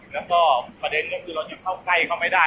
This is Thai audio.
แล้วก็ประเด็นก็คือเรายังเข้าใกล้เขาไม่ได้